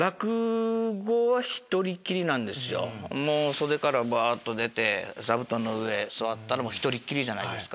袖からばっと出て座布団の上座ったら１人きりじゃないですか。